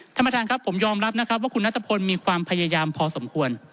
ท่านประธานครับผมยอมรับนะครับว่าคุณนัทพลมีความพยายามพอสมควร